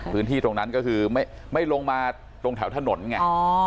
พื้นที่ตรงนั้นก็คือไม่ลงมาตรงแถวถนนไง